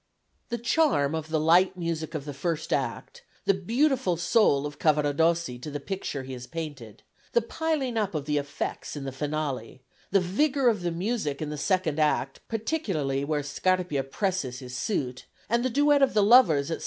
The charm of the light music of the first act, the beautiful soul of Cavaradossi to the picture he has painted, the piling up of the effects in the finale, the vigour of the music in the second act, particularly where Scarpia presses his suit, and the duet of the lovers at S.